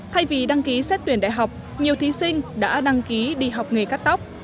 thay vì đăng ký xét tuyển đại học nhiều thí sinh đã đăng ký đi học nghề cắt tóc